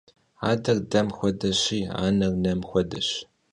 Ader dem xuedeşi, aner nem xuedeş.